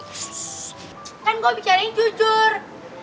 kan gue bicara jujur